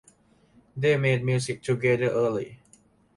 They made music together early.